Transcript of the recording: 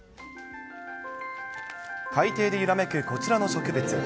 海底で揺らめくこちらの植物。